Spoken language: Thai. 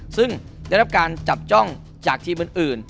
ซึ่งได้รับการจับจ้องจากทีมอื่น